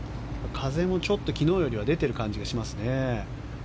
風もちょっと昨日よりも出ている感じがしますね。